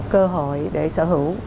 cơ hội để sở hữu